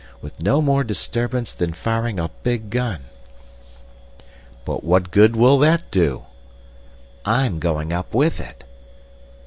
With no more disturbance than firing a big gun." "But what good will that do?" "I'm going up with it!"